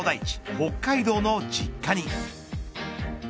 北海道の実家に。